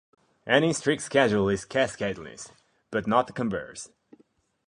Any strict schedule is cascadeless, but not the converse.